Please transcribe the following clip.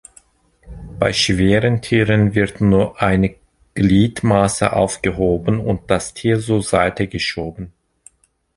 Bei schweren Tieren wird nur eine Gliedmaße aufgehoben und das Tier zur Seite geschoben.